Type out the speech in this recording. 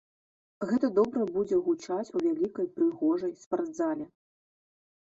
Гэта добра будзе гучаць у вялікай прыгожай спартзале.